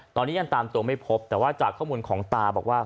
ตอนนี้ยังตามตัวไม่พบแต่ว่าจากข้อมูลของตาบอกว่า